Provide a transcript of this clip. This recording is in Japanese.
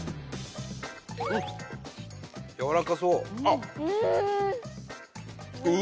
やわらかそう。